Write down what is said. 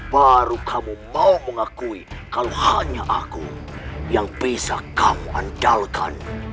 baru kamu akan mengaku bahwa hanya aku yang bisa kau andalkan